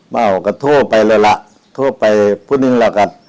มั่งกันโทไปเลยละโทไปผู้หนึงแล้วกัน